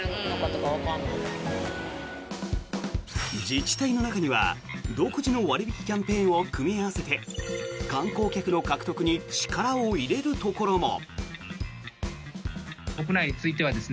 自治体の中には独自の割引キャンペーンを組み合わせて観光客の獲得に力を入れるところも。